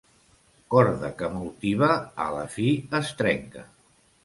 Corda que molt tiba, a la fi es trenca.